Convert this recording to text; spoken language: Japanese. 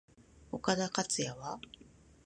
岡田克也は？